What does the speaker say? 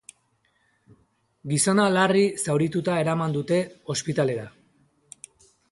Gizona larri zaurituta eraman dute ospitalera.